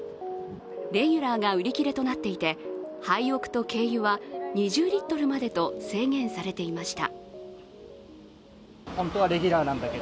レギュラーが売り切れとなっていてハイオクと軽油は２０リットルまでと制限されていました。